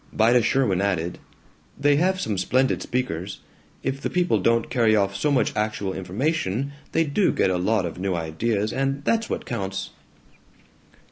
Vida Sherwin added, "They have some splendid speakers. If the people don't carry off so much actual information, they do get a lot of new ideas, and that's what counts."